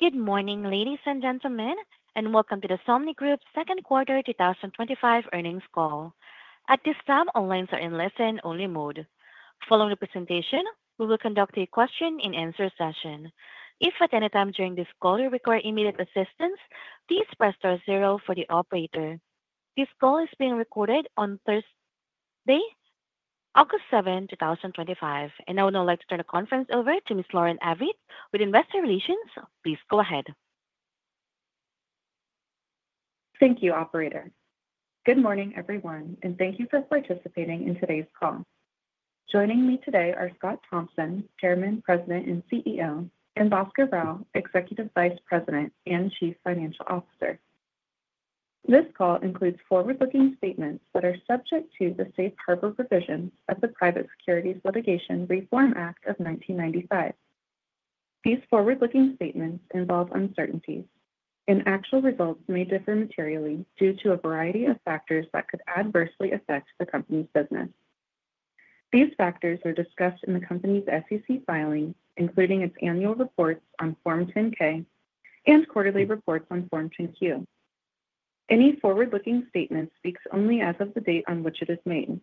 Good morning, ladies and gentlemen, and welcome to Somnigroup's Second Quarter 2025 Earnings Call. At this time, all lines are in listen-only mode. Following the presentation, we will conduct a question-and-answer session. If at any time during this call you require immediate assistance, please press star zero for the operator. This call is being recorded on Thursday, August 7, 2025. I would now like to turn the conference over to Ms. Lauren Avritt with Investor Relations. Please go ahead. Thank you, operator. Good morning, everyone, and thank you for participating in today's call. Joining me today are Scott Thompson, Chairman, President, and CEO, and Bhaskar Rao, Executive Vice President and Chief Financial Officer. This call includes forward-looking statements that are subject to the safe harbor provisions of the Private Securities Litigation Reform Act of 1995. These forward-looking statements involve uncertainty, and actual results may differ materially due to a variety of factors that could adversely affect the company's business. These factors are discussed in the company's SEC filing, including its annual reports on Form 10-K and quarterly reports on Form 10-Q. Any forward-looking statement speaks only as of the date on which it is made.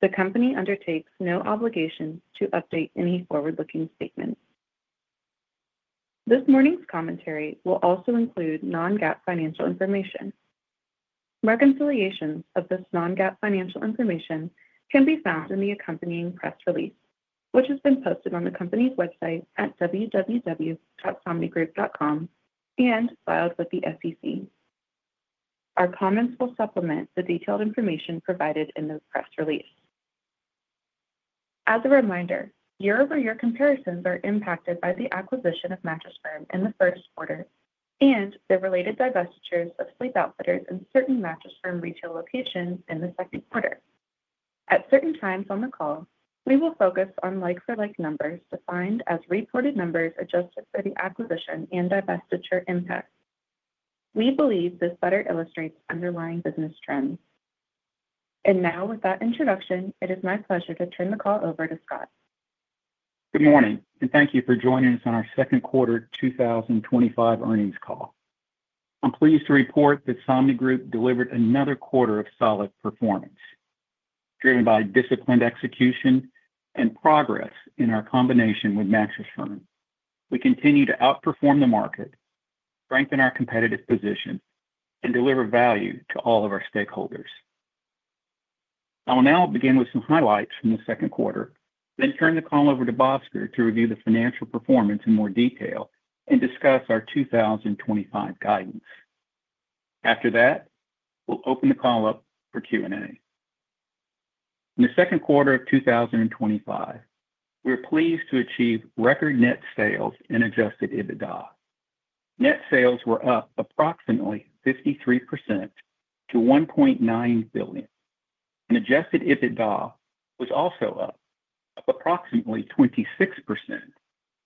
The company undertakes no obligation to update any forward-looking statements. This morning's commentary will also include non-GAAP financial information. Reconciliation of this non-GAAP financial information can be found in the accompanying press release, which has been posted on the company's website at www.somnigroup.com and filed with the SEC. Our comments will supplement the detailed information provided in the press release. As a reminder, year-over-year comparisons are impacted by the acquisition of Mattress Firm in the first quarter and the related divestitures of Sleep Outfitters and certain Mattress Firm retail locations in the second quarter. At certain times on the call, we will focus on like-for-like numbers defined as reported numbers adjusted for the acquisition and divestiture impact. We believe this better illustrates underlying business trends. With that introduction, it is my pleasure to turn the call over to Scott. Good morning, and thank you for joining us on our Second Quarter 2025 Earnings Call. I'm pleased to report that Somnigroup delivered another quarter of solid performance, driven by disciplined execution and progress in our combination with Mattress Firm. We continue to outperform the market, strengthen our competitive position, and deliver value to all of our stakeholders. I will now begin with some highlights from the second quarter, then turn the call over to Bhaskar to review the financial performance in more detail and discuss our 2025 guidance. After that, we'll open the call up for Q&A. In the second quarter of 2025, we're pleased to achieve record net sales and adjusted EBITDA. Net sales were up approximately 53% to $1.9 billion, and adjusted EBITDA was also up approximately 26%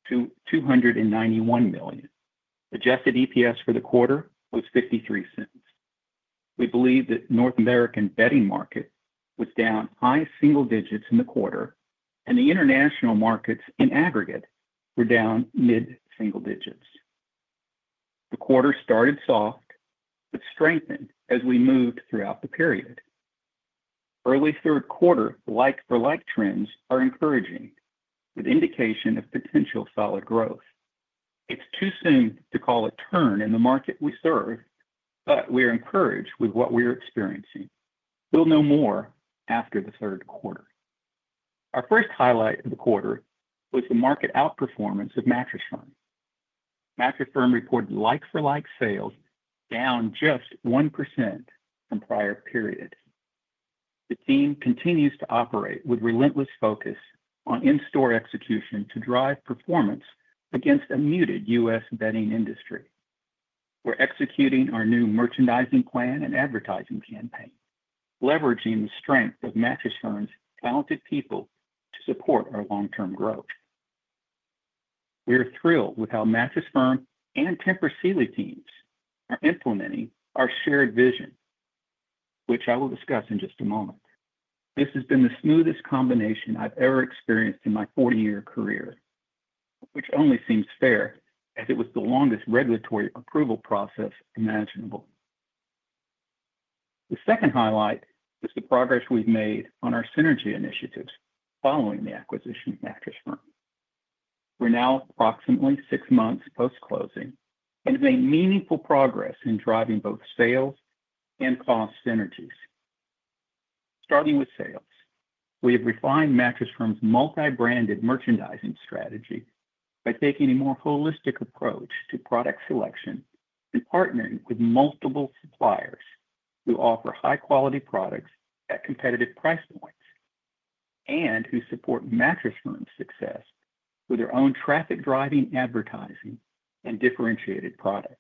to $291 million. Adjusted EPS for the quarter was $0.53. We believe that the North American bedding market was down high single digits in the quarter, and the international markets in aggregate were down mid-single digits. The quarter started soft, but strengthened as we moved throughout the period. Early third quarter like-for-like trends are encouraging, with indication of potential solid growth. It's too soon to call it a turn in the market we serve, but we are encouraged with what we are experiencing. We'll know more after the third quarter. Our first highlight of the quarter was the market outperformance of Mattress Firm. Mattress Firm reported like-for-like sales down just 1% from prior periods. The team continues to operate with relentless focus on in-store execution to drive performance against a muted U.S. bedding industry. We're executing our new merchandising plan and advertising campaign, leveraging the strength of Mattress Firm's talented people to support our long-term growth. We are thrilled with how Mattress Firm and Tempur Sealy teams are implementing our shared vision, which I will discuss in just a moment. This has been the smoothest combination I've ever experienced in my 40-year career, which only seems fair as it was the longest regulatory approval process imaginable. The second highlight is the progress we've made on our synergy initiatives following the acquisition of Mattress Firm. We're now approximately six months post-closing, and it's a meaningful progress in driving both sales and cost synergies. Starting with sales, we have refined Mattress Firm's multi-branded merchandising strategy by taking a more holistic approach to product selection and partnering with multiple suppliers who offer high-quality products at competitive price points and who support Mattress Firm's success with their own traffic-driving advertising and differentiated product.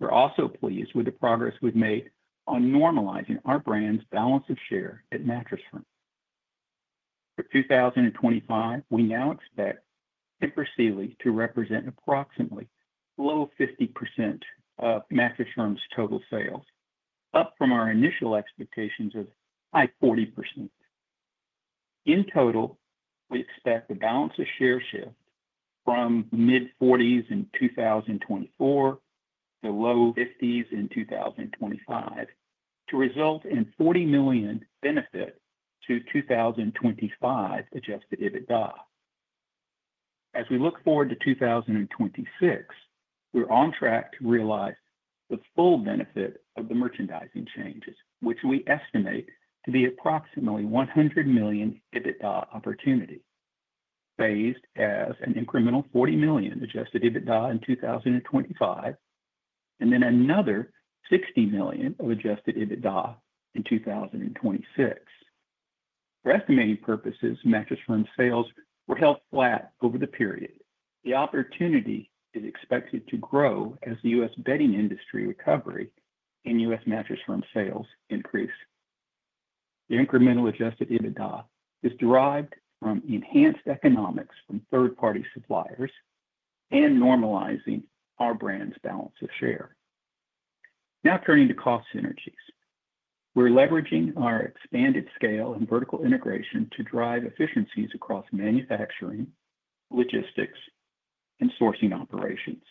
We're also pleased with the progress we've made on normalizing our brand's balance of share at Mattress Firm. For 2025, we now expect Tempur Sealy to represent approximately below 50% of Mattress Firm's total sales, up from our initial expectations of high 40%. In total, we expect the balance of share shift from the mid-40% in 2024 to low 50% in 2025 to result in a $40 million benefit to 2025 adjusted EBITDA. As we look forward to 2026, we're on track to realize the full benefit of the merchandising changes, which we estimate to be approximately $100 million EBITDA opportunities, phased as an incremental $40 million adjusted EBITDA in 2025, and then another $60 million of adjusted EBITDA in 2026. For estimating purposes, Mattress Firm's sales were held flat over the period. The opportunity is expected to grow as the U.S. bedding industry recovers and U.S. Mattress Firm sales increase. The incremental adjusted EBITDA is derived from enhanced economics from third-party suppliers and normalizing our brand's balance of share. Now turning to cost synergies, we're leveraging our expanded scale and vertical integration to drive efficiencies across manufacturing, logistics, and sourcing operations.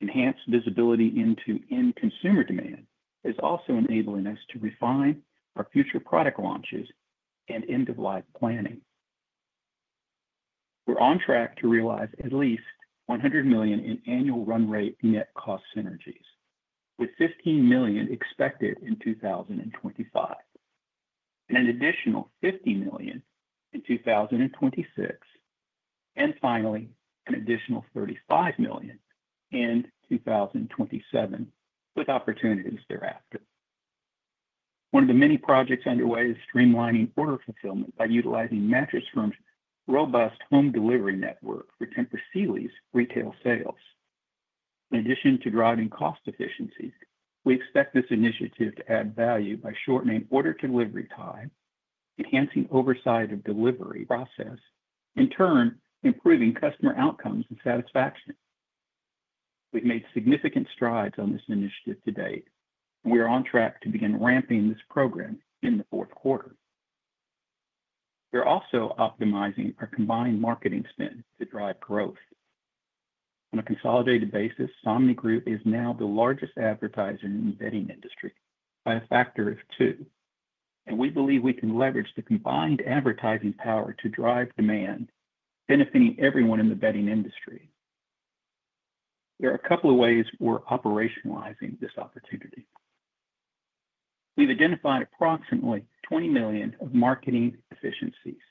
Enhanced visibility into end-consumer demand is also enabling us to refine our future product launches and end-of-life planning. We're on track to realize at least $100 million in annual run-rate net cost synergies, with $15 million expected in 2025, and an additional $50 million in 2026, and finally, an additional $35 million in 2027, with opportunities thereafter. One of the many projects underway is streamlining order fulfillment by utilizing Mattress Firm's robust home delivery network for Tempur Sealy's retail sales. In addition to driving cost efficiency, we expect this initiative to add value by shortening order delivery time, enhancing oversight of the delivery process, and in turn, improving customer outcomes and satisfaction. We've made significant strides on this initiative to date, and we are on track to begin ramping this program in the fourth quarter. We're also optimizing our combined marketing spend to drive growth. On a consolidated basis, Somnigroup International is now the largest advertiser in the bedding industry by a factor of two, and we believe we can leverage the combined advertising power to drive demand, benefiting everyone in the bedding industry. There are a couple of ways we're operationalizing this opportunity. We've identified approximately $20 million of marketing efficiencies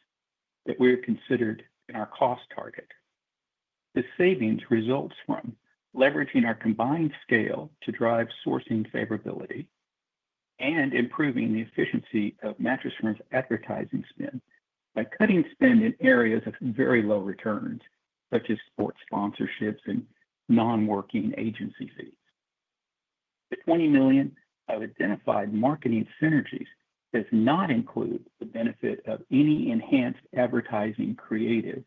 that were considered in our cost target. The savings result from leveraging our combined scale to drive sourcing favorability and improving the efficiency of Mattress Firm's advertising spend by cutting spend in areas of very low returns, such as sports sponsorships and non-working agency fees. The $20 million of identified marketing synergies does not include the benefit of any enhanced advertising creative,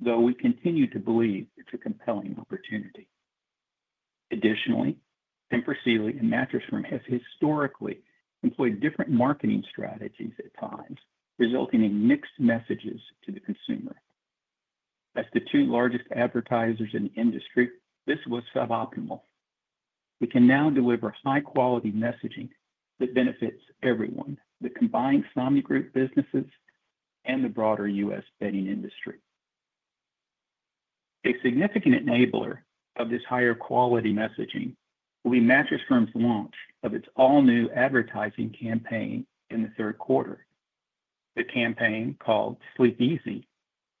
though we continue to believe it's a compelling opportunity. Additionally, Tempur Sealy and Mattress Firm have historically employed different marketing strategies at times, resulting in mixed messages to the consumer. As the two largest advertisers in the industry, this was suboptimal. We can now deliver high-quality messaging that benefits everyone, the combined Somnigroup businesses and the broader U.S. bedding industry. A significant enabler of this higher quality messaging will be Mattress Firm's launch of its all-new advertising campaign in the third quarter. The campaign, called Sleep Easy,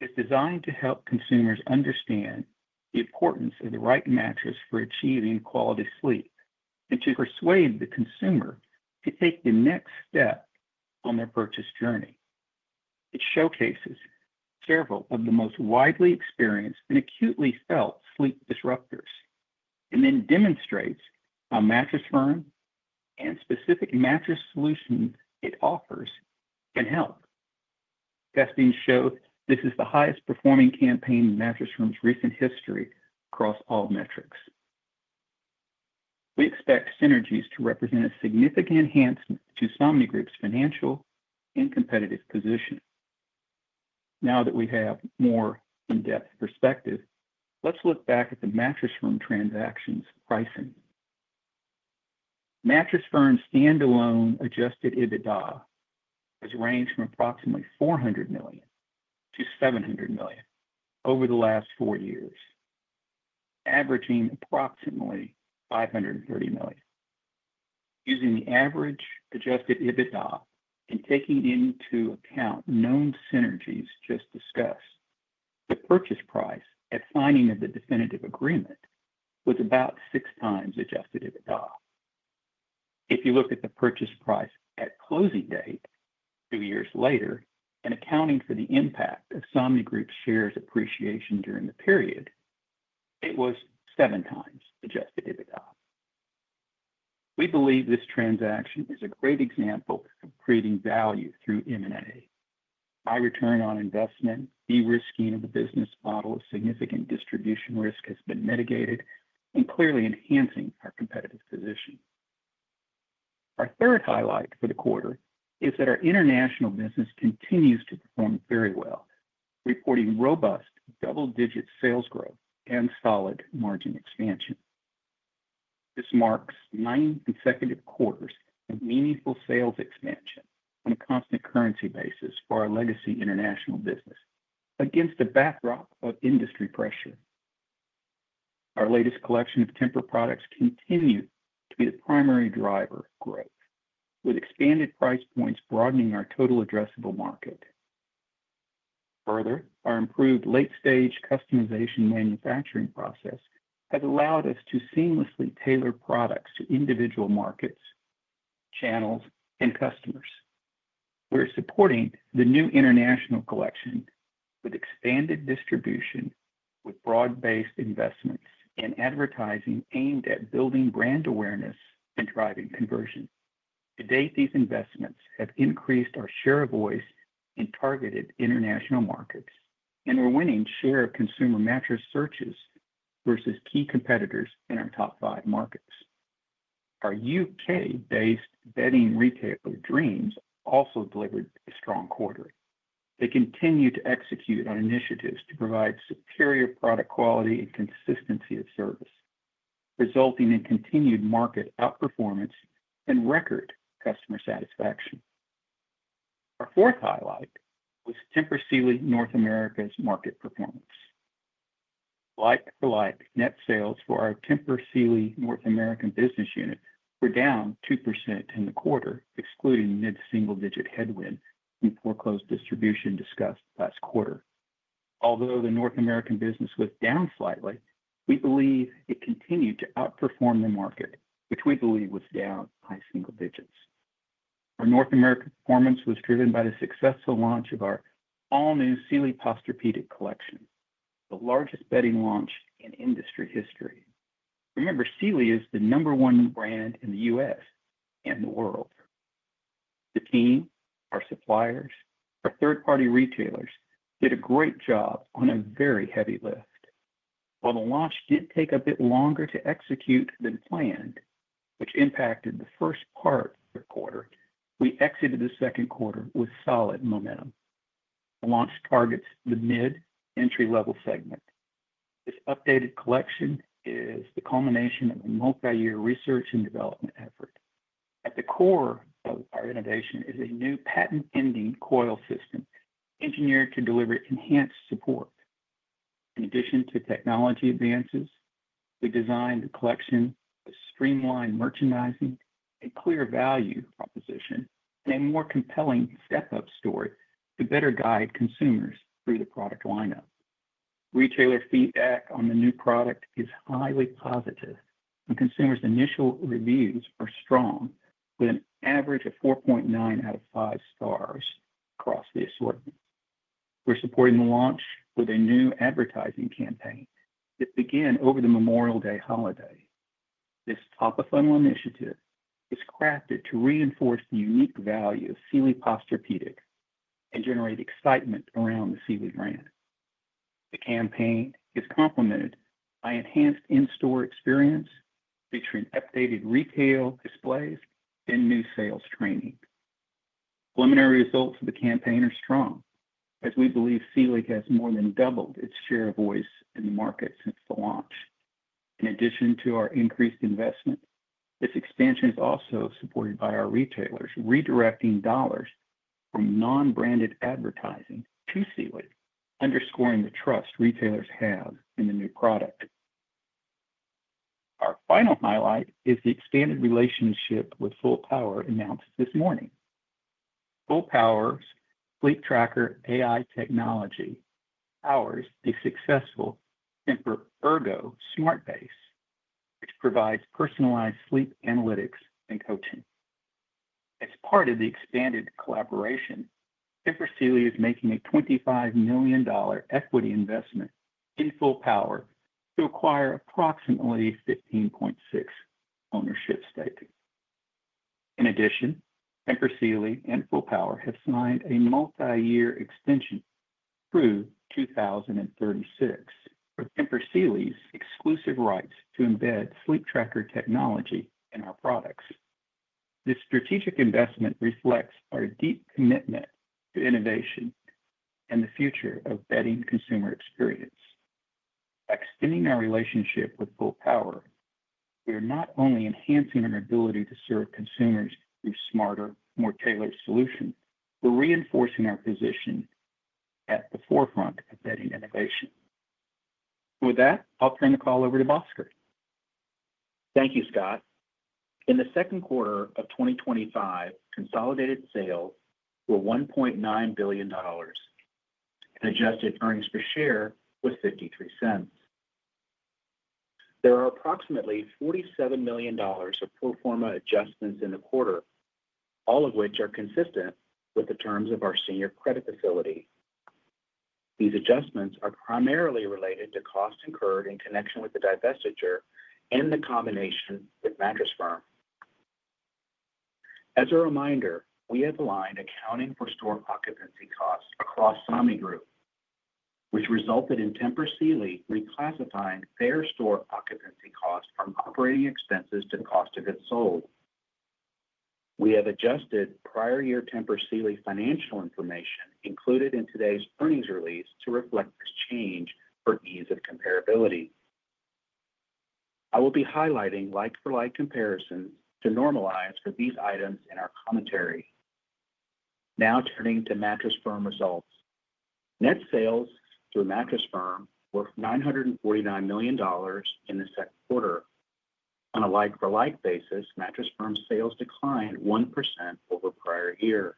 is designed to help consumers understand the importance of the right mattress for achieving quality sleep and to persuade the consumer to take the next step on their purchase journey. It showcases several of the most widely experienced and acutely felt sleep disruptors and then demonstrates how Mattress Firm and specific mattress solutions it offers can help. Testing shows this is the highest performing campaign in Mattress Firm's recent history across all metrics. We expect synergies to represent a significant enhancement to Somnigroup International's financial and competitive position. Now that we have a more in-depth perspective, let's look back at the Mattress Firm transaction's pricing. Mattress Firm's standalone adjusted EBITDA has ranged from approximately $400 million-$700 million over the last four years, averaging approximately $530 million. Using the average adjusted EBITDA and taking into account known synergies just discussed, the purchase price at signing of the definitive agreement was about six times adjusted EBITDA. If you look at the purchase price at closing date two years later and accounting for the impact of Somnigroup's shares appreciation during the period, it was seven times adjusted EBITDA. We believe this transaction is a great example of creating value through M&A. My return on investment, de-risking of the business model with significant distribution risk has been mitigated and clearly enhancing our competitive position. Our third highlight for the quarter is that our international business continues to perform very well, reporting robust double-digit sales growth and solid margin expansion. This marks nine consecutive quarters of meaningful sales expansion on a constant currency basis for our legacy international business against a backdrop of industry pressure. Our latest collection of Tempur products continues to be the primary driver of growth, with expanded price points broadening our total addressable market. Further, our improved late-stage customization manufacturing process has allowed us to seamlessly tailor products to individual markets, channels, and customers. We're supporting the new international collection with expanded distribution, with broad-based investments in advertising aimed at building brand awareness and driving conversion. To date, these investments have increased our share of voice in targeted international markets, and we're winning share of consumer mattress searches versus key competitors in our top five markets. Our UK-based bedding retailer Dreams also delivered a strong quarter. They continue to execute on initiatives to provide superior product quality and consistency of service, resulting in continued market outperformance and record customer satisfaction. Our fourth highlight was Tempur Sealy North America's market performance. Like-for-like net sales for our Tempur Sealy North American business unit were down 2% in the quarter, excluding mid-single-digit headwind in foreclosed distribution discussed last quarter. Although the North American business was down slightly, we believe it continued to outperform the market, which we believe was down by single digits. Our North American performance was driven by the successful launch of our all-new Sealy Posturepedic collection, the largest bedding launch in industry history. Remember, Sealy is the number one brand in the U.S. and the world. The team, our suppliers, and third-party retailers did a great job on a very heavy lift. While the launch did take a bit longer to execute than planned, which impacted the first part of the quarter, we exited the second quarter with solid momentum. The launch targets the mid-entry-level segment. This updated collection is the culmination of a multi-year research and development effort. At the core of our innovation is a new patent-pending coil system engineered to deliver enhanced support. In addition to technology advances, we designed the collection to streamline merchandising and provide a clear value proposition and a more compelling step-up story to better guide consumers through the product lineup. Retailer feedback on the new product is highly positive, and consumers' initial reviews are strong, with an average of 4.9 out of 5 stars across the assortment. We're supporting the launch with a new advertising campaign to begin over the Memorial Day holiday. This top-of-funnel initiative is crafted to reinforce the unique value of Sealy Posturepedic and generate excitement around the Sealy brand. The campaign is complemented by an enhanced in-store experience featuring updated retail displays and new sales training. Preliminary results of the campaign are strong, as we believe Sealy has more than doubled its share of voice in the market since the launch. In addition to our increased investment, this expansion is also supported by our retailers redirecting dollars from non-branded advertising to Sealy, underscoring the trust retailers have in the new product. Our final highlight is the expanded relationship with Fullpower announced this morning. Fullpower's Sleeptracker-AI technology powers a successful Tempur Ergo smart base, which provides personalized sleep analytics and coaching. As part of the expanded collaboration, Tempur Sealy is making a $25 million equity investment in Fullpower to acquire approximately 15.6% ownership stake. In addition, Tempur Sealy and Fullpower have signed a multi-year extension through 2036 for Tempur Sealy's exclusive rights to embed Sleeptracker-AI technology in our products. This strategic investment reflects our deep commitment to innovation and the future of bedding consumer experience. By extending our relationship with Fullpower, we are not only enhancing our ability to serve consumers through smarter, more tailored solutions, but reinforcing our position at the forefront of bedding innovation. I'll turn the call over to Bhaskar. Thank you, Scott. In the second quarter of 2025, consolidated sales were $1.9 billion. Adjusted earnings per share was $0.53. There are approximately $47 million of pro forma adjustments in the quarter, all of which are consistent with the terms of our senior credit facility. These adjustments are primarily related to costs incurred in connection with the divestiture and the combination with Mattress Firm. As a reminder, we have aligned accounting for store occupancy costs across Somnigroup, which resulted in Tempur Sealy reclassifying their store occupancy costs from operating expenses to cost of goods sold. We have adjusted prior-year Tempur Sealy financial information included in today's earnings release to reflect this change for ease of comparability. I will be highlighting like-for-like comparisons to normalize for these items in our commentary. Now turning to Mattress Firm results. Net sales through Mattress Firm were $949 million in the second quarter. On a like-for-like basis, Mattress Firm's sales declined 1% over prior year.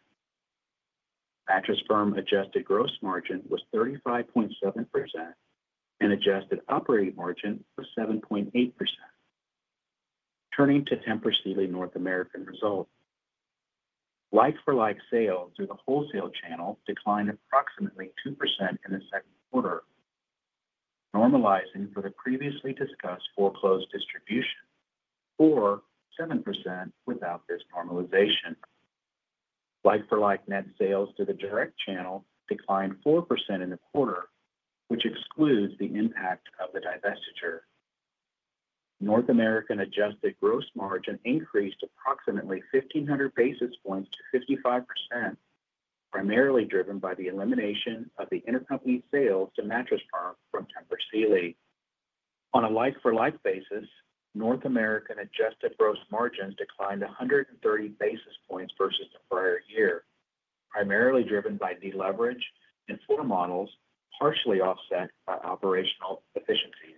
Mattress Firm adjusted gross margin was 35.7% and adjusted operating margin was 7.8%. Turning to Tempur Sealy North American results. Like-for-like sales through the wholesale channel declined approximately 2% in the second quarter, normalizing for the previously discussed foreclosed distribution or 7% without this normalization. Like-for-like net sales to the direct channel declined 4% in the quarter, which excludes the impact of the divestiture. North American adjusted gross margin increased approximately 1,500 basis points to 55%, primarily driven by the elimination of the intercompany sales to Mattress Firm from Tempur Sealy. On a like-for-like basis, North American adjusted gross margins declined 130 basis points versus the prior year, primarily driven by deleverage and floor models partially offset by operational efficiencies.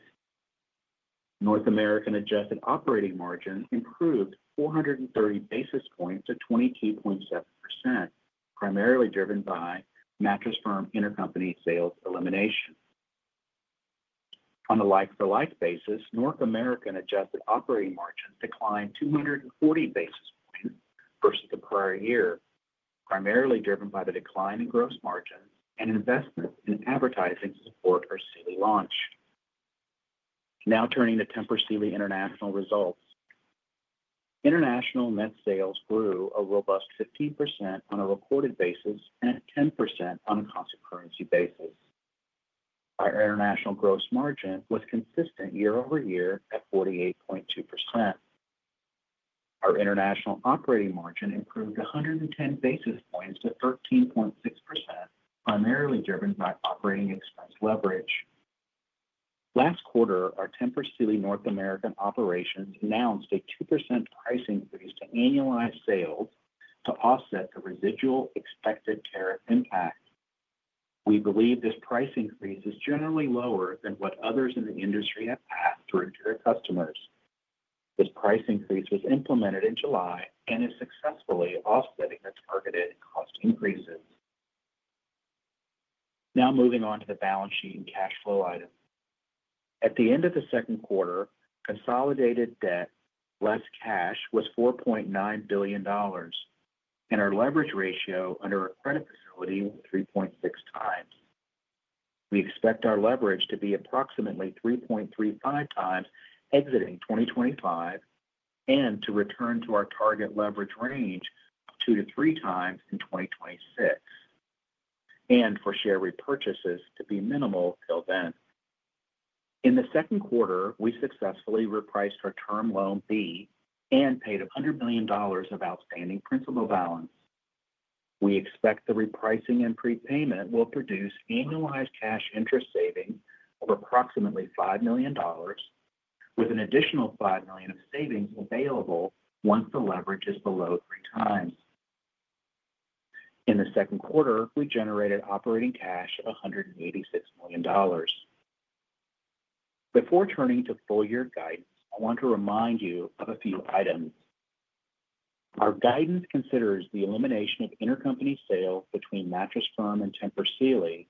North American adjusted operating margin improved 430 basis points to 22.7%, primarily driven by Mattress Firm intercompany sales elimination. On a like-for-like basis, North American adjusted operating margin declined 240 basis points versus the prior year, primarily driven by the decline in gross margin and investment in advertising support for Sealy launch. Now turning to Tempur Sealy International results. International net sales grew a robust 15% on a recorded basis and 10% on a constant currency basis. Our international gross margin was consistent year-over-year at 48.2%. Our international operating margin improved 110 basis points to 13.6%, primarily driven by operating expense leverage. Last quarter, our Tempur Sealy North American operations announced a 2% price increase to annualized sales to offset the residual expected tariff impact. We believe this price increase is generally lower than what others in the industry have asked for their customers. This price increase was implemented in July and is successfully offsetting the targeted cost increases. Now moving on to the balance sheet and cash flow items. At the end of the second quarter, consolidated debt, less cash, was $4.9 billion, and our leverage ratio under our credit facility was 3.6x. We expect our leverage to be approximately 3.35x exiting 2025 and to return to our target leverage range two to three times in 2026, and for share repurchases to be minimal till then. In the second quarter, we successfully repriced our term loan fee and paid $100 million of outstanding principal balance. We expect the repricing and prepayment will produce annualized cash interest savings of approximately $5 million, with an additional $5 million of savings available once the leverage is below three times. In the second quarter, we generated operating cash of $186 million. Before turning to full-year guidance, I want to remind you of a few items. Our guidance considers the elimination of intercompany sales between Mattress Firm and Tempur Sealy,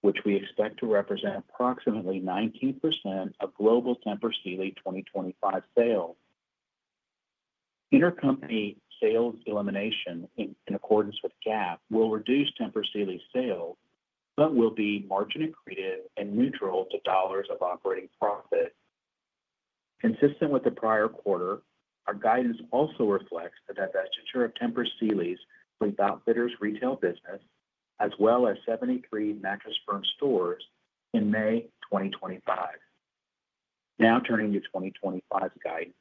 which we expect to represent approximately 19% of global Tempur Sealy 2025 sales. Intercompany sales elimination in accordance with GAAP will reduce Tempur Sealy's sales but will be margin accretive and neutral to dollars of operating profit. Consistent with the prior quarter, our guidance also reflects the divestiture of Tempur Sealy's Sleep Outfitters retail business, as well as 73 Mattress Firm stores in May 2025. Now turning to 2025's guidance.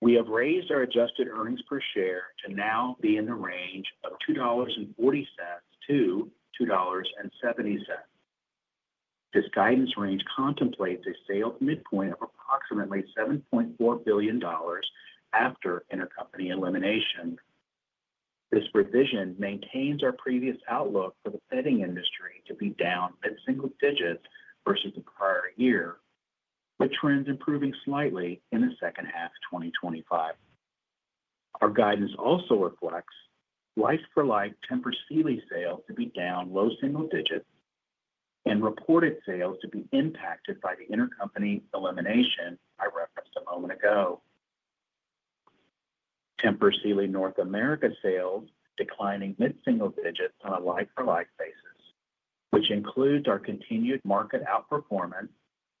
We have raised our adjusted earnings per share to now be in the range of $2.40-$2.70. This guidance range contemplates a sales midpoint of approximately $7.4 billion after intercompany elimination. This revision maintains our previous outlook for the bedding industry to be down at single digits versus the prior year, with trends improving slightly in the second half of 2025. Our guidance also reflects like-for-like Tempur Sealy sales to be down low single digits and reported sales to be impacted by the intercompany elimination we referenced a moment ago. Tempur Sealy North America sales declining mid-single digits on a like-for-like basis, which includes our continued market outperformance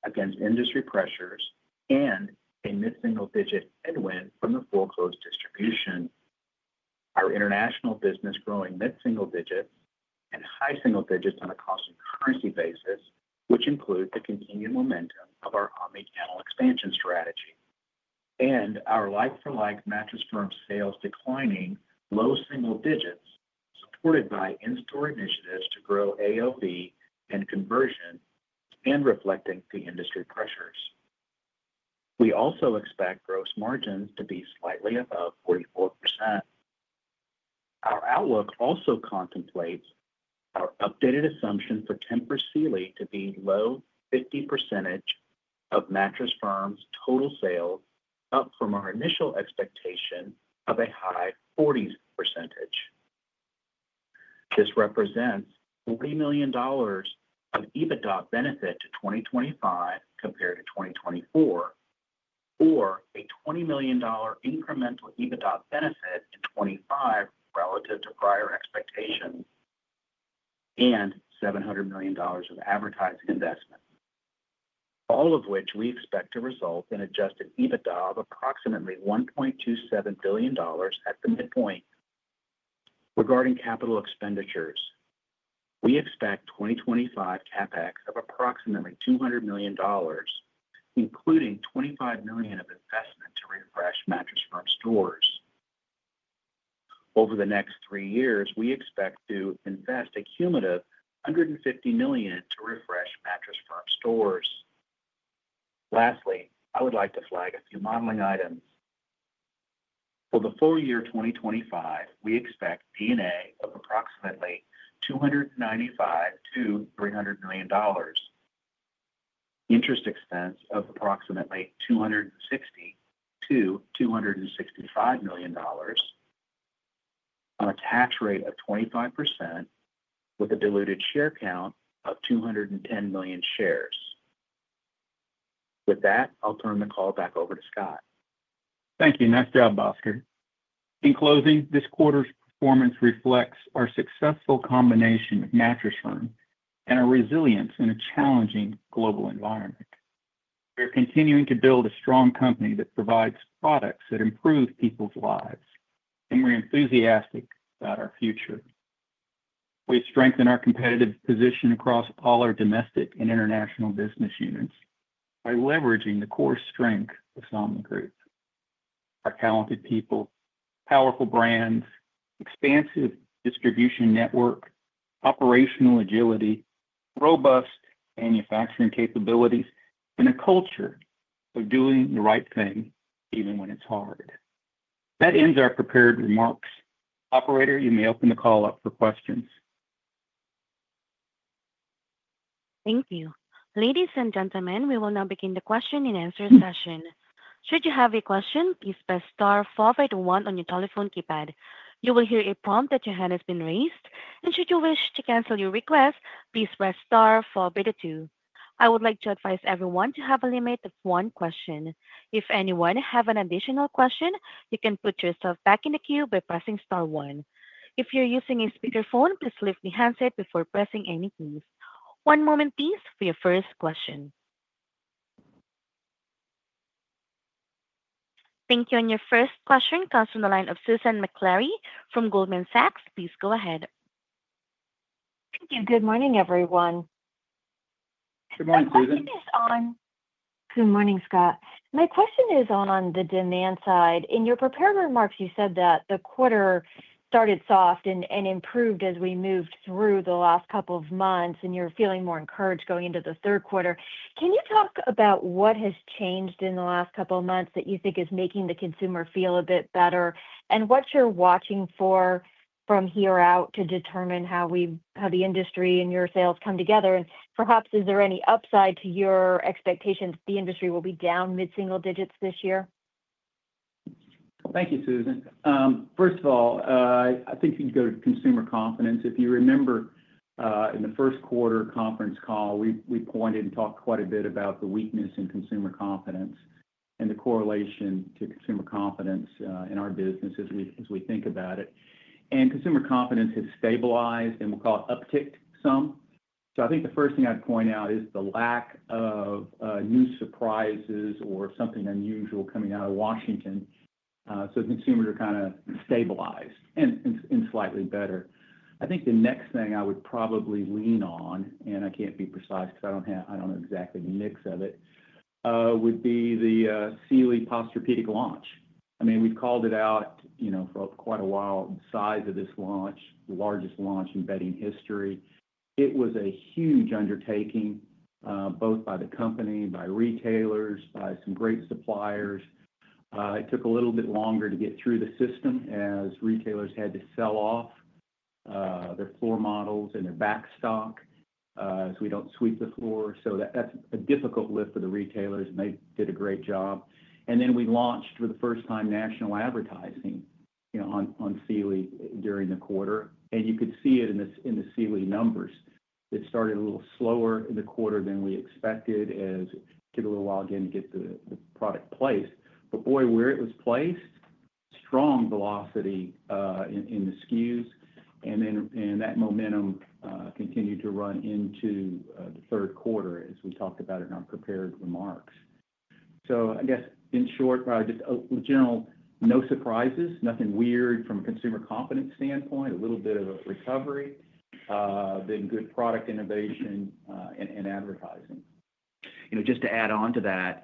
against industry pressures and a mid-single digit headwind from the foreclosed distribution. Our international business growing mid-single digits and high single digits on a constant currency basis, which includes the continued momentum of our omnichannel expansion strategy and our like-for-like Mattress Firm sales declining low single digits, supported by in-store initiatives to grow AOV and conversion and reflecting the industry pressures. We also expect gross margins to be slightly above 44%. Our outlook also contemplates our updated assumption for Tempur Sealy to be low 50% of Mattress Firm's total sales, up from our initial expectation of a high 40%. This represents $40 million of EBITDA benefit to 2025 compared to 2024, or a $20 million incremental EBITDA benefit to 2025 relative to prior expectations, and $700 million of advertising investment, all of which we expect to result in adjusted EBITDA of approximately $1.27 billion at the midpoint. Regarding capital expenditures, we expect 2025 CapEx of approximately $200 million, including $25 million of investment to refresh Mattress Firm stores. Over the next three years, we expect to invest a cumulative $150 million to refresh Mattress Firm stores. Lastly, I would like to flag a few modeling items. For the full year 2025, we expect D&A of approximately $295 million-$300 million, interest expense of approximately $260 million-$265 million, on a tax rate of 25%, with a diluted share count of 210 million shares. With that, I'll turn the call back over to Scott. Thank you. Nice job, Bhaskar. In closing, this quarter's performance reflects our successful combination of Mattress Firm and our resilience in a challenging global environment. We are continuing to build a strong company that provides products that improve people's lives, being re-enthusiastic about our future. We have strengthened our competitive position across all our domestic and international business units by leveraging the core strength of Somnigroup International: our talented people, powerful brands, expansive distribution network, operational agility, robust manufacturing capabilities, and a culture of doing the right thing even when it's hard. That ends our prepared remarks. Operator, you may open the call up for questions. Thank you. Ladies and gentlemen, we will now begin the question and answer session. Should you have a question, please press star followed by the one on your telephone keypad. You will hear a prompt that your hand has been raised, and should you wish to cancel your request, please press star followed by the two. I would like to advise everyone to have a limit of one question. If anyone has an additional question, you can put yourself back in the queue by pressing star one. If you're using a speakerphone, please lift your handset before pressing any keys. One moment, please, for your first question. Thank you. Your first question comes from the line of Susan Maklari from Goldman Sachs. Please go ahead. Thank you. Good morning, everyone. Good morning, Susan. My question is on. Good morning, Scott. My question is on the demand side. In your prepared remarks, you said that the quarter started soft and improved as we moved through the last couple of months, and you're feeling more encouraged going into the third quarter. Can you talk about what has changed in the last couple of months that you think is making the consumer feel a bit better, and what you're watching for from here out to determine how the industry and your sales come together? Perhaps, is there any upside to your expectations that the industry will be down mid-single digits this year? Thank you, Susan. First of all, I think you can go to consumer confidence. If you remember, in the first quarter conference call, we pointed and talked quite a bit about the weakness in consumer confidence and the correlation to consumer confidence in our business as we think about it. Consumer confidence has stabilized, and we'll call it upticked some. I think the first thing I'd point out is the lack of new surprises or something unusual coming out of Washington. Consumers are kind of stabilized and slightly better. I think the next thing I would probably lean on, and I can't be precise because I don't have, I don't know exactly the mix of it, would be the Sealy Posturepedic launch. I mean, we've called it out, you know, for quite a while, the size of this launch, the largest launch in bedding history. It was a huge undertaking, both by the company, by retailers, by some great suppliers. It took a little bit longer to get through the system as retailers had to sell off their floor models and their backstock, so we don't sweep the floor. That's a difficult lift for the retailers, and they did a great job. We launched for the first time national advertising, you know, on Sealy during the quarter. You could see it in the Sealy numbers. It started a little slower in the quarter than we expected as we took a little while again to get the product placed. Where it was placed, strong velocity in the SKUs, and that momentum continued to run into the third quarter as we talked about in our prepared remarks. I guess in short, probably just a general, no surprises, nothing weird from a consumer confidence standpoint, a little bit of a recovery, then good product innovation, and advertising, you know. Just to add on to that,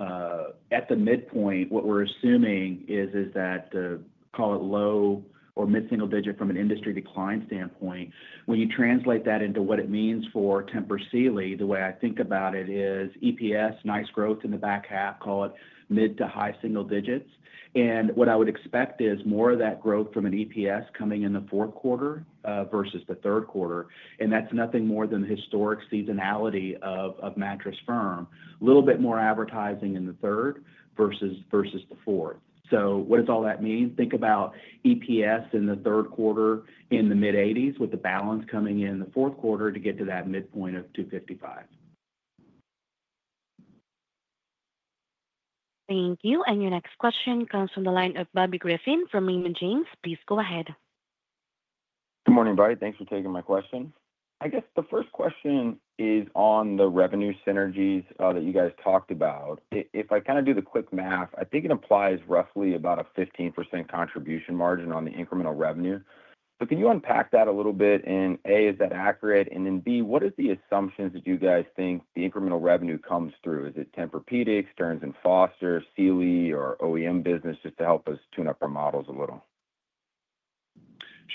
at the midpoint, what we're assuming is that the, call it, low or mid-single digit from an industry to client standpoint. When you translate that into what it means for Tempur Sealy, the way I think about it is EPS, nice growth in the back half, call it mid to high single digits. What I would expect is more of that growth from an EPS coming in the fourth quarter versus the third quarter. That's nothing more than the historic seasonality of Mattress Firm, a little bit more advertising in the third versus the fourth. What does all that mean? Think about EPS in the third quarter in the mid-80s with the balance coming in the fourth quarter to get to that midpoint of 2.55. Thank you. Your next question comes from the line of Bobby Griffin from Raymond James. Please go ahead. Good morning, buddy. Thanks for taking my question. I guess the first question is on the revenue synergies that you guys talked about. If I kind of do the quick math, I think it applies roughly about a 15% contribution margin on the incremental revenue. Can you unpack that a little bit? A, is that accurate? B, what is the assumptions that you guys think the incremental revenue comes through? Is it Tempur, Stearns & Foster, Sealy, or OEM business, just to help us tune up our models a little?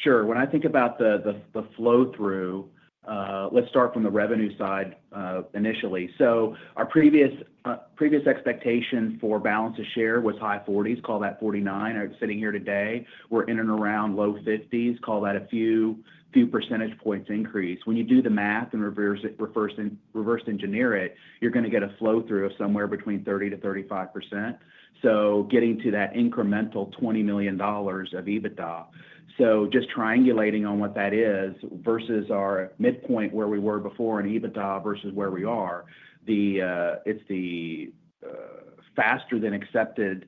Sure. When I think about the flow-through, let's start from the revenue side initially. Our previous expectation for balance of share was high 40s, call that 49%. Sitting here today, we're in and around low 50s, call that a few percentage points increase. When you do the math and reverse engineer it, you're going to get a flow-through of somewhere between 30%-35%. Getting to that incremental $20 million of EBITDA, just triangulating on what that is versus our midpoint where we were before in EBITDA versus where we are, it's the faster than expected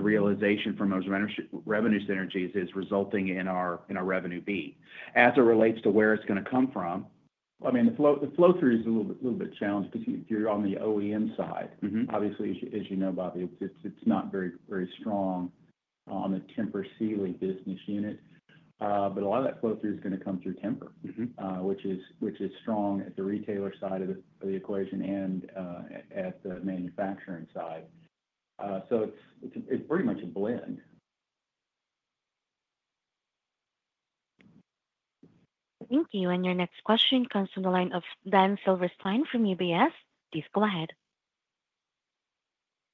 realization from those revenue synergies resulting in our revenue beat. As it relates to where it's going to come from. The flow-through is a little bit challenged because you're on the OEM side. Obviously, as you know, Bobby, it's not very, very strong on the Tempur Sealy business unit. A lot of that flow-through is going to come through Tempur, which is strong at the retailer side of the equation and at the manufacturing side. It's pretty much a blend. Thank you. Your next question comes from the line of Dan Silverstein from UBS. Please go ahead.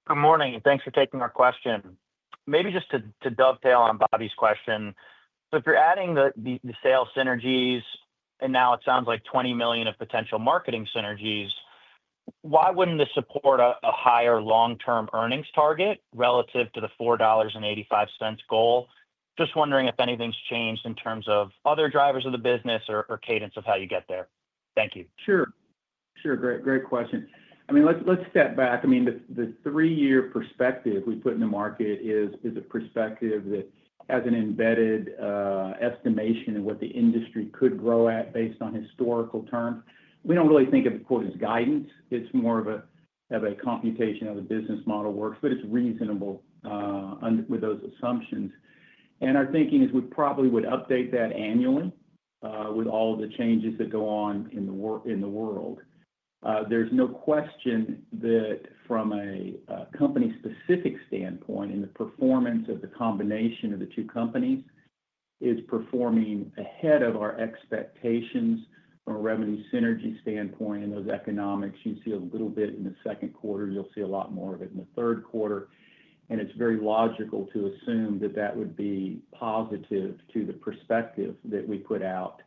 Good morning. Thanks for taking our question. Maybe just to dovetail on Bobby's question. If you're adding the sales synergies, and now it sounds like $20 million of potential marketing synergies, why wouldn't this support a higher long-term earnings target relative to the $4.85 goal? Just wondering if anything's changed in terms of other drivers of the business or cadence of how you get there. Thank you. Sure. Great question. Let's step back. The three-year perspective we put in the market is a perspective that has an embedded estimation of what the industry could grow at based on historical terms. We don't really think of the quote as guidance. It's more of a computation of how the business model works, but it's reasonable with those assumptions. Our thinking is we probably would update that annually with all of the changes that go on in the world. There's no question that from a company-specific standpoint, in the performance of the combination of the two companies, it's performing ahead of our expectations from a revenue synergy standpoint in those economics. You see a little bit in the second quarter. You'll see a lot more of it in the third quarter. It's very logical to assume that that would be positive to the perspective that we put out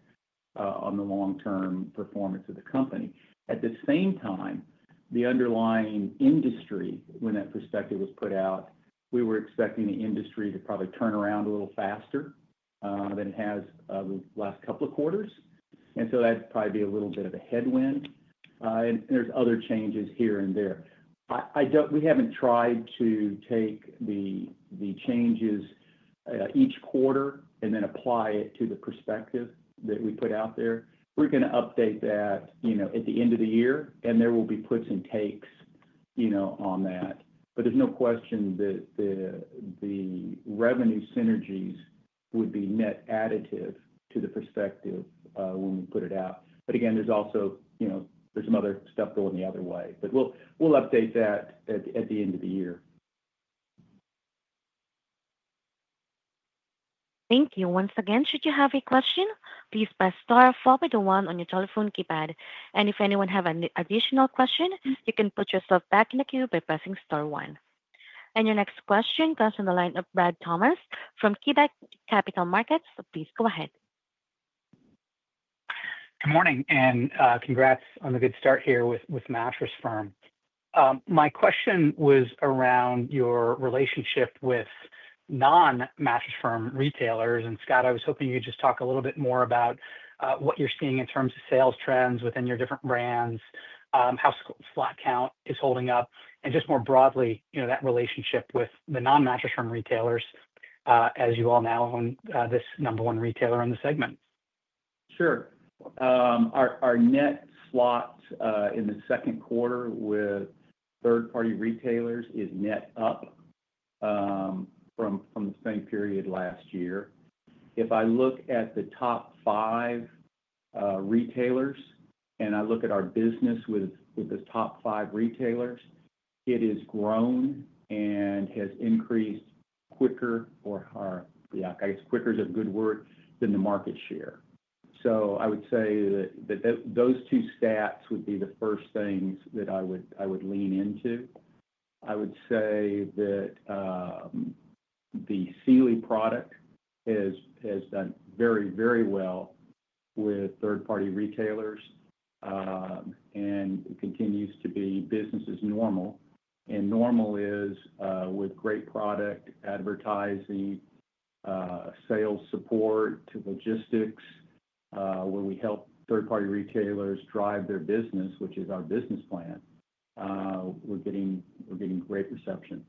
on the long-term performance of the company. At the same time, the underlying industry, when that perspective was put out, we were expecting the industry to probably turn around a little faster than it has over the last couple of quarters. That'd probably be a little bit of a headwind. There are other changes here and there. We haven't tried to take the changes each quarter and then apply it to the perspective that we put out there. We're going to update that at the end of the year, and there will be puts and takes on that. There's no question that the revenue synergies would be net additive to the perspective when we put it out. There's also some other stuff going the other way. We'll update that at the end of the year. Thank you. Once again, should you have a question, please press star followed by the one on your telephone keypad. If anyone has an additional question, you can put yourself back in the queue by pressing star one. Your next question comes from the line of Brad Thomas from KeyBanc Capital Markets. Please go ahead. Good morning, and congrats on the good start here with Mattress Firm. My question was around your relationship with non-Mattress Firm retailers. Scott, I was hoping you could just talk a little bit more about what you're seeing in terms of sales trends within your different brands, how slot count is holding up, and just more broadly, you know, that relationship with the non-Mattress Firm retailers, as you all now own this number one retailer in the segment. Sure. Our net slot in the second quarter with third-party retailers is net up from the same period last year. If I look at the top five retailers and I look at our business with the top five retailers, it has grown and has increased quicker than the market share. I would say that those two stats would be the first things that I would lean into. I would say that the Sealy product has done very, very well with third-party retailers and continues to be business as normal. Normal is with great product advertising, sales support to logistics, where we help third-party retailers drive their business, which is our business plan. We're getting great reception.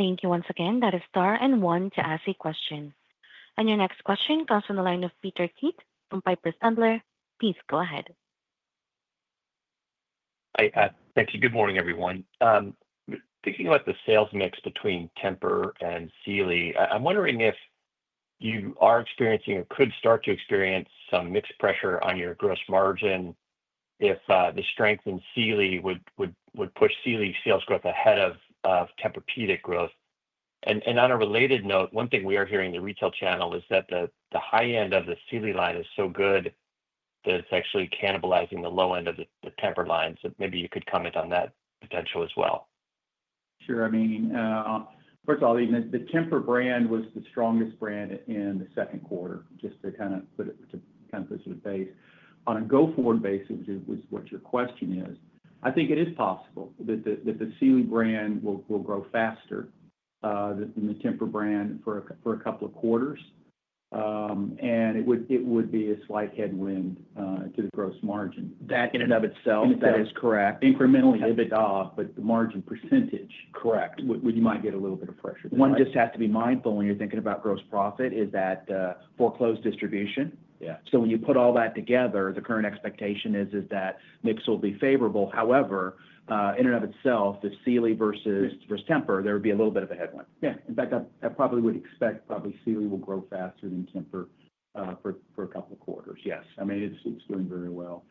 Thank you once again. That is star one to ask a question. Your next question comes from the line of Peter Keith from Piper Sandler. Please go ahead. Thank you. Good morning, everyone. Thinking about the sales mix between Tempur and Sealy, I'm wondering if you are experiencing or could start to experience some mix pressure on your gross margin if the strength in Sealy would push Sealy sales growth ahead of Tempur-Pedic growth. On a related note, one thing we are hearing in the retail channel is that the high end of the Sealy line is so good that it's actually cannibalizing the low end of the Tempur line. Maybe you could comment on that potential as well. Sure. First of all, even the Tempur brand was the strongest brand in the second quarter, just to put you at base. On a go-forward basis, which is what your question is, I think it is possible that the Sealy brand will grow faster than the Tempur brand for a couple of quarters. It would be a slight headwind to the gross margin. That in and of itself, that is correct. Incremental EBITDA, but the margin percentage. Correct. You might get a little bit of pressure. One just has to be mindful when you're thinking about gross profit is that foreclosed distribution. When you put all that together, the current expectation is that mix will be favorable. However, in and of itself, the Sealy versus Tempur there would be a little bit of a headwind. Yeah. In fact, I probably would expect probably Sealy will grow faster than Tempur for a couple of quarters. Yes. I mean, it's doing very well.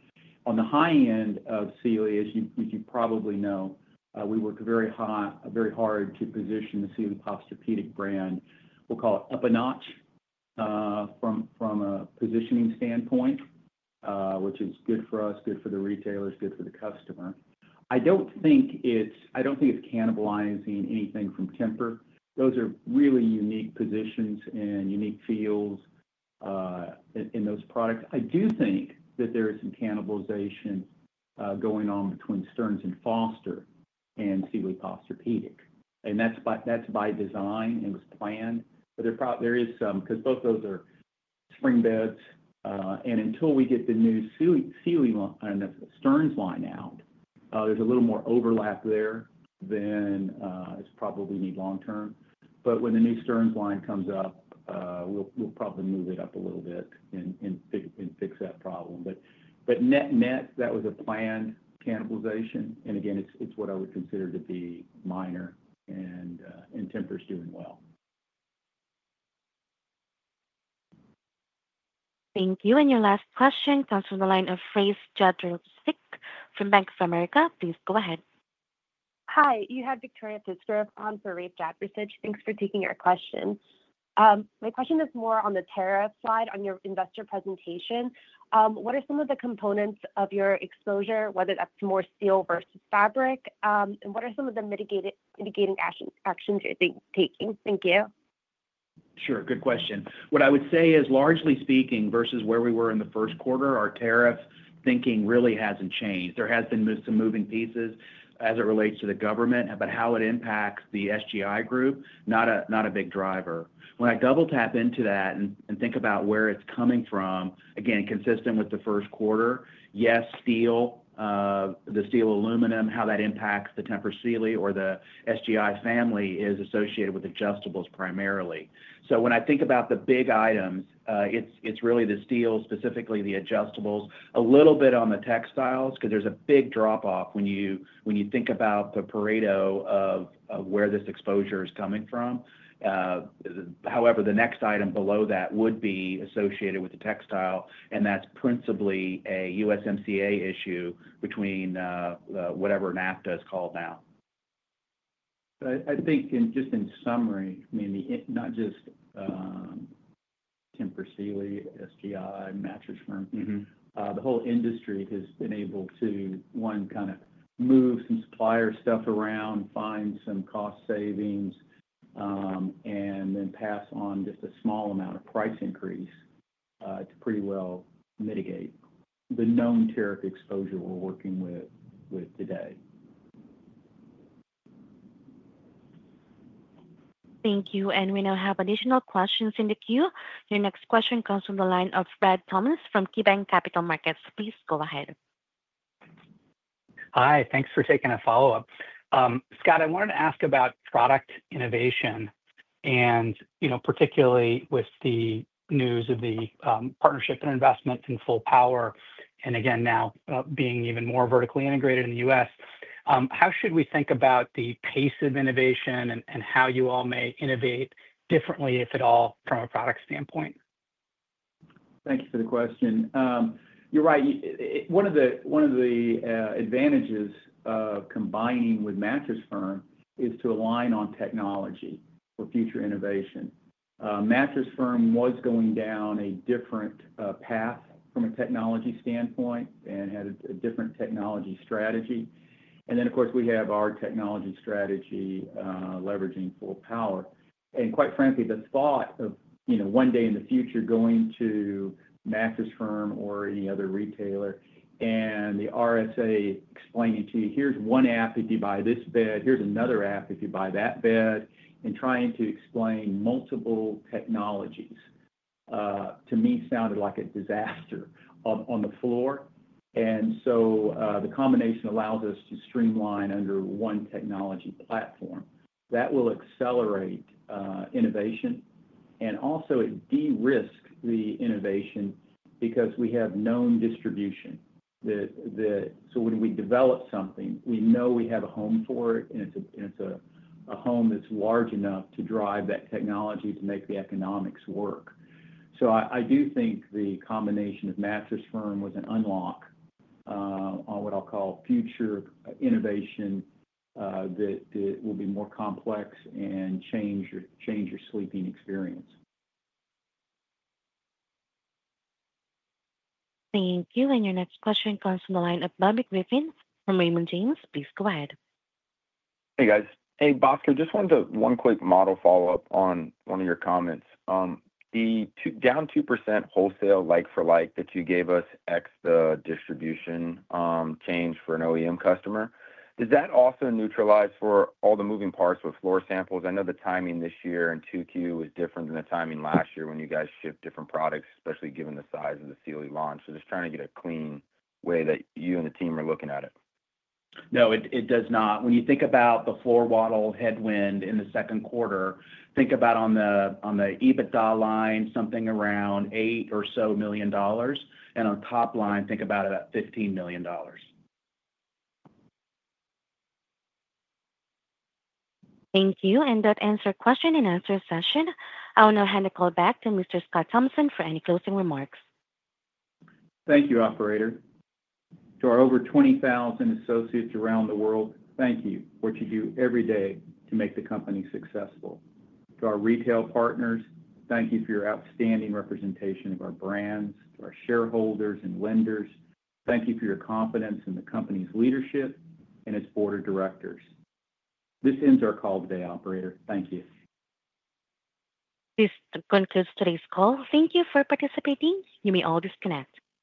On the high end of Sealy, as you probably know, we work very hard to position the Sealy Posturepedic brand. We'll call it up a notch from a positioning standpoint, which is good for us, good for the retailers, good for the customer. I don't think it's cannibalizing anything from Tempur. Those are really unique positions and unique fields in those products. I do think that there is some cannibalization going on between Stearns & Foster and Sealy Posturepedic. That is by design and was planned. There is some because both of those are spring beds. Until we get the new Stearns line out, there's a little more overlap there than is probably needed long-term. When the new Stearns line comes up, we'll probably move it up a little bit and fix that problem. Net, that was a planned cannibalization. Again, it's what I would consider to be minor, and Tempur's doing well. Thank you. Your last question comes from the line of Rafe Jadrosich from Bank of America. Please go ahead. Hi. You had Victoria on for Rafe Jadrosich. Thanks for taking your question. My question is more on the tariff side on your investor presentation. What are some of the components of your exposure, whether that's more steel versus fabric? What are some of the mitigating actions you're taking? Thank you. Sure. Good question. What I would say is, largely speaking, versus where we were in the first quarter, our tariff thinking really hasn't changed. There have been some moving pieces as it relates to the government about how it impacts the Somnigroup International group, not a big driver. When I double tap into that and think about where it's coming from, again, consistent with the first quarter, yes, steel, the steel aluminum, how that impacts the Tempur Sealy or the Somnigroup International family is associated with adjustables primarily. When I think about the big items, it's really the steel, specifically the adjustables, a little bit on the textiles because there's a big drop-off when you think about the pareto of where this exposure is coming from. The next item below that would be associated with the textile, and that's principally a USMCA issue between whatever NAFTA is called now. I think, just in summary, I mean, not just Tempur Sealy, SGI, Mattress Firm, the whole industry has been able to, one, kind of move some supplier stuff around, find some cost savings, and then pass on just a small amount of price increase to pretty well mitigate the known tariff exposure we're working with today. Thank you. We now have additional questions in the queue. Your next question comes from the line of Brad Thomas from KeyBanc Capital Markets. Please go ahead. Hi. Thanks for taking a follow-up. Scott, I wanted to ask about product innovation, and particularly with the news of the partnership and investments in Fullpower, and now being even more vertically integrated in the U.S., how should we think about the pace of innovation and how you all may innovate differently, if at all, from a product standpoint? Thank you for the question. You're right. One of the advantages of combining with Mattress Firm is to align on technology for future innovation. Mattress Firm was going down a different path from a technology standpoint and had a different technology strategy. Of course, we have our technology strategy leveraging Fullpower. Quite frankly, the thought of one day in the future going to Mattress Firm or any other retailer and the RSA explaining to you, "Here's one app if you buy this bed. Here's another app if you buy that bed," and trying to explain multiple technologies, to me, sounded like a disaster on the floor. The combination allows us to streamline under one technology platform. That will accelerate innovation. It also de-risked the innovation because we have known distribution so when we develop something, we know we have a home for it, and it's a home that's large enough to drive that technology to make the economics work. I do think the combination of Mattress Firm was an unlock on what I'll call future innovation that will be more complex and change your sleeping experience. Thank you. Your next question comes from the line of Bobby Griffin from Raymond James. Please go ahead. Hey, guys. Hey, Bhaskar, just wanted to one quick model follow-up on one of your comments. The down 2% wholesale like-for-like that you gave us ex the distribution change for an OEM customer, does that also neutralize for all the moving parts with floor samples? I know the timing this year in 2Q was different than the timing last year when you guys shipped different products, especially given the size of the Sealy launch. Just trying to get a clean way that you and the team are looking at it. No, it does not. When you think about the floor model headwind in the second quarter, think about on the EBITDA line, something around $8 million or so. On top line, think about about $15 million. Thank you. That ends our question and answer session. I will now hand the call back to Mr. Scott Thompson for any closing remarks. Thank you, operator. To our over 20,000 associates around the world, thank you for what you do every day to make the company successful. To our retail partners, thank you for your outstanding representation of our brands. To our shareholders and lenders, thank you for your confidence in the company's leadership and its board of directors. This ends our call today, operator. Thank you. This concludes today's call. Thank you for participating. You may all disconnect.